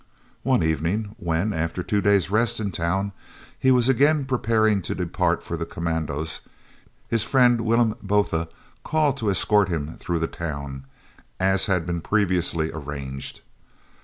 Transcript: One evening when, after two days' rest in town, he was again preparing to depart for the commandos, his friend Willem Botha called to escort him through the town, as had been previously arranged.